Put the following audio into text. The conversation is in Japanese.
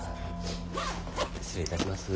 失礼いたします。